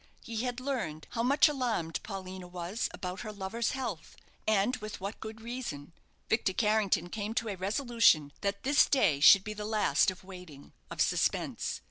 He had learned how much alarmed Paulina was about her lover's health, and with what good reason. Victor Carrington came to a resolution that this day should be the last of waiting of suspense.